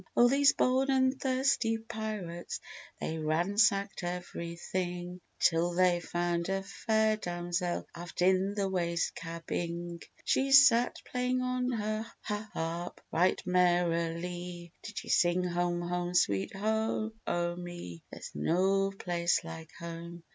Oh, these bold and thirsty pirates, They ransacked everything, Until they found a fair damsel, Aft in the waist cab ing. She sat playing on her ha a rp, Right merrilie did she sing: "Home, Home sweet ho o me, There's no place like home.